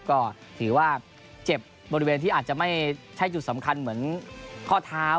ก็ถือว่าเจ็บบริเวณที่อาจจะไม่ใช่จุดสำคัญเหมือนข้อเท้า